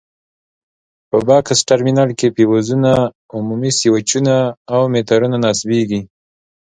په بکس ترمینل کې فیوزونه، عمومي سویچونه او میټرونه نصبېږي.